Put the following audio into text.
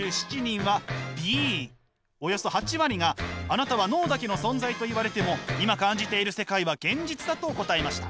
およそ８割が「あなたは脳だけの存在」と言われても「今感じている世界は現実だ」と答えました。